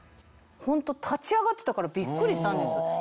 ホント立ち上がってたからびっくりしたんです。